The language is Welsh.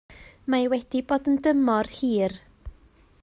Mae wedi bod yn dymor hir